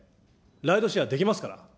ライドシェアできますから。